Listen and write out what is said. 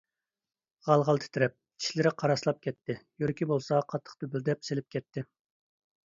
غال - غال تىترەپ، چىشلىرى قاراسلاپ كەتتى، يۈرىكى بولسا قاتتىق دۈپۈلدەپ سېلىپ كەتتى.